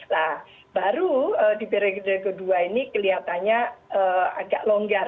nah baru di periode kedua ini kelihatannya agak longgar